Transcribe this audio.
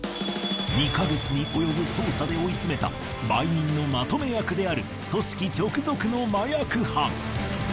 ２ヵ月に及ぶ捜査で追い詰めた売人のまとめ役である組織直属の麻薬犯。